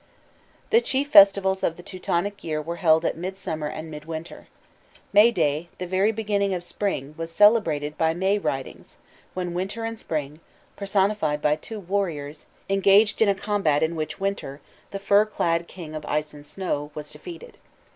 The chief festivals of the Teutonic year were held at Midsummer and Midwinter. May Day, the very beginning of spring, was celebrated by May ridings, when winter and spring, personified by two warriors, engaged in a combat in which Winter, the fur clad king of ice and snow, was defeated.